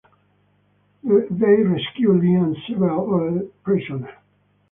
They rescue Li and several other prisoners.